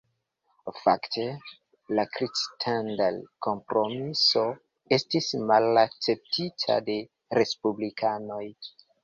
Fakte, la Crittenden-Kompromiso estis malakceptita de Respublikanoj.